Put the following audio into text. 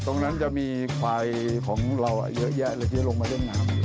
ตรงนั้นจะมีควายของเราเยอะลงมาด้วยน้ำ